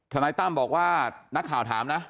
นายตั้มบอกว่านักข่าวถามนะ